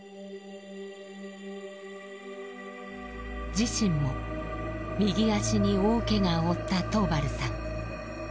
自身も右足に大けがを負った桃原さん。